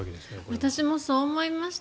私もそう思いました。